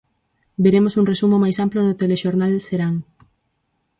Veremos un resumo máis amplo no Telexornal Serán.